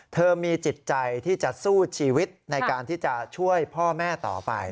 เธอมีจิตใจที่จะสู้ชีวิตในการที่จะช่วยพ่อแม่ต่อไป